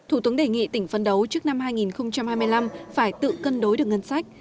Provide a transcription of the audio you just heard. thủ tướng đề nghị tỉnh phấn đấu trước năm hai nghìn hai mươi năm phải tự cân đối được ngân sách